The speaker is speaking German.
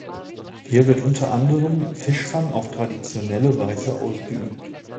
Hier wird unter anderem Fischfang auf traditionelle Weise ausgeübt.